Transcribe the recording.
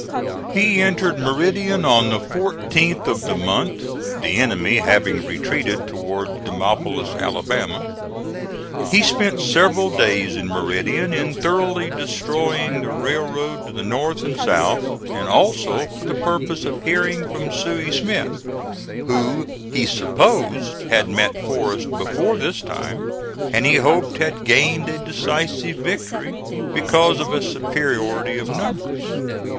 He entered Meridian on the 14th of the month, the enemy having retreated toward Demopolis, Alabama. He spent several days in Meridian in thoroughly destroying the railroad to the north and south, and also for the purpose of hearing from Sooy Smith, who he supposed had met Forrest before this time and he hoped had gained a decisive victory because of a superiority of numbers.